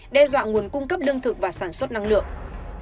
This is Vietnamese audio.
đe dọa nguồn cung cấp đương thực và nguồn nguồn nguồn nguồn nguồn